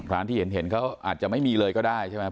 ร้านที่เห็นเขาอาจจะไม่มีเลยก็ได้ใช่ไหม